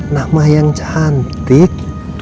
nama yang cantik